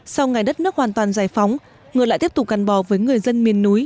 sau ngày đất nước hoàn toàn giải phóng người lại tiếp tục gắn bò với người dân miền núi